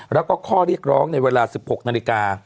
แล้วก็ข้อเรียกร้องในเวลา๑๖นาฬิกา